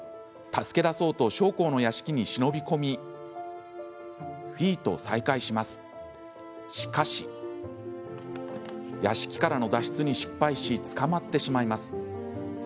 助け出そうと将校の屋敷に忍び再会しますが込み屋敷からの脱出に失敗し捕まってしまいます。